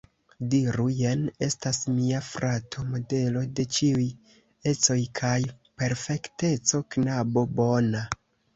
Diru: jen estas mia frato, modelo de ĉiuj ecoj kaj perfekteco, knabo bona.